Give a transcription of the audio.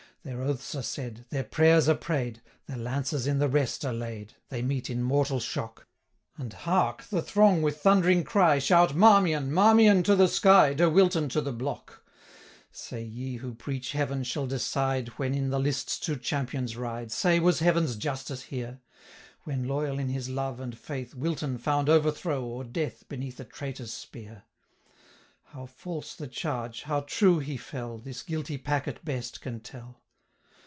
Their oaths are said, Their prayers are pray'd, 525 Their lances in the rest are laid, They meet in mortal shock; And hark! the throng, with thundering cry, Shout "Marmion, Marmion I to the sky, De Wilton to the block!" 530 Say ye, who preach Heaven shall decide When in the lists two champions ride, Say, was Heaven's justice here? When, loyal in his love and faith, Wilton found overthrow or death, 535 Beneath a traitor's spear? How false the charge, how true he fell, This guilty packet best can tell.'